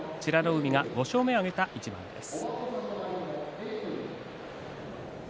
海が５勝目を挙げた一番です。